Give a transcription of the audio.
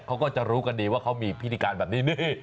เขาก็จะรู้กันดีว่าเขามีพิธีการแบบนี้นี่